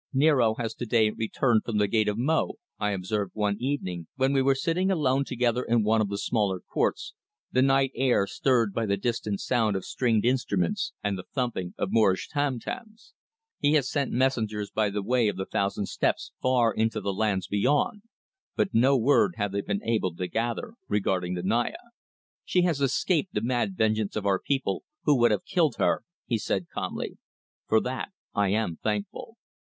"Niaro has to day returned from the gate of Mo," I observed one evening when we were sitting alone together in one of the smaller courts, the night air stirred by the distant sound of stringed instruments and the thumping of Moorish tam tams. "He has sent messengers by the Way of the Thousand Steps far into the lands beyond, but no word have they been able to gather regarding the Naya." "She has escaped the mad vengeance of our people, who would have killed her," he said, calmly. "For that I am thankful."